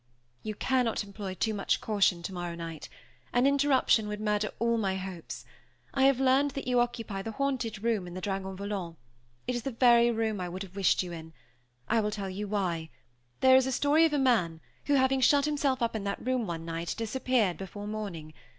"You cannot employ too much caution tomorrow night. An interruption would murder all my hopes. I have learned that you occupy the haunted room in the Dragon Volant. It is the very room I would have wished you in. I will tell you why there is a story of a man who, having shut himself up in that room one night, disappeared before morning.